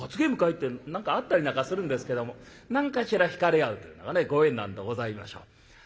って何かあったりなんかするんですけども何かしら引かれ合うというのがねご縁なんでございましょう。